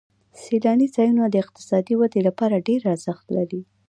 سیلاني ځایونه د اقتصادي ودې لپاره ډېر ارزښت لري.